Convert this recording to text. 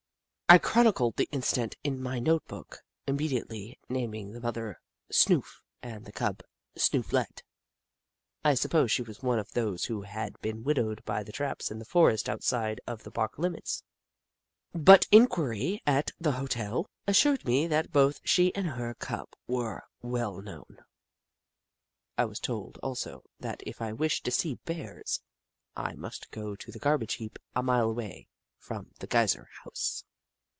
I chronicled the incident in my note book, immediately, naming the mother "Snoof," and the Cub " Snooflet." I supposed she was one of those who had been widowed by the traps in the forest outside of the Park limits, but inquiry at the hotel assured me that both she and her Cub were well known. I was told, also, that if I wished to see Bears, I must go to Snoof 63 the garbage heap, a mile away from the Gey ser House.